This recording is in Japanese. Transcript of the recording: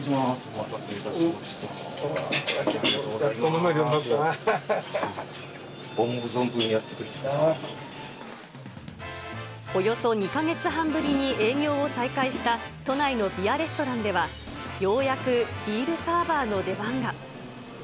思う存分やってください。およそ２か月半ぶりに営業を再開した都内のビアレストランでは、ようやくビールサーバーの出番が。